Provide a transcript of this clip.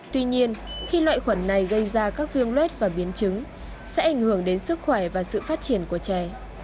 tuy nhiên khi loại khuẩn này gây ra các viêm luet và biến chứng sẽ ảnh hưởng đến sức khỏe và sự phát triển của trẻ